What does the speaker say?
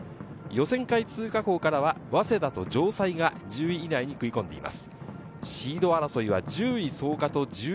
予選会通過校からは早稲田と城西が１０位以内に食い込んでいます。